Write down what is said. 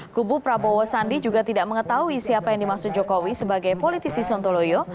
kubu prabowo sandi juga tidak mengetahui siapa yang dimaksud jokowi sebagai politisi sontoloyo